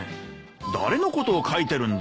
誰のことを書いてるんだ？